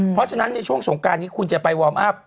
เพราะฉะนั้นในช่วงสงการนี้คุณจะไปวอร์มอัพ